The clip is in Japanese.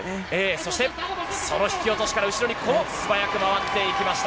そして、その引き落としから後ろに素早く回っていきました。